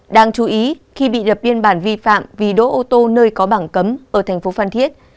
đáng chú ý khi bị đập biên bản vi phạm vì đỗ ô tô nơi có bảng cấm ở tp phan thiết